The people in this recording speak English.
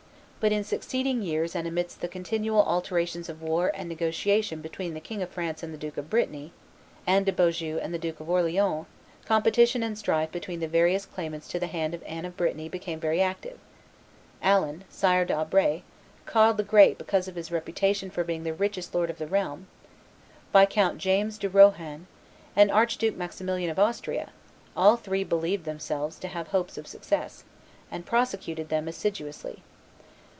But in succeeding years and amidst the continual alternations of war and negotiation between the King of France and the Duke of Brittany, Anne de Beaujeu and the Duke of Orleans, competition and strife between the various claimants to the hand of Anne of Brittany became very active; Alan, Sire d'Albret, called the Great because of his reputation for being the richest lord of the realm, Viscount James de Rohan, and Archduke Maximilian of Austria, all three believed themselves to have hopes of success, and prosecuted them assiduously.